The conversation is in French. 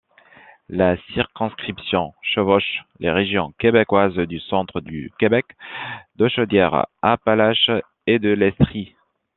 La circonscription chevauche les régions québécoises du Centre-du-Québec, de Chaudière-Appalaches et de l'Estrie.